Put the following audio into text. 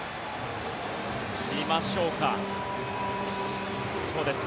見ましょうか。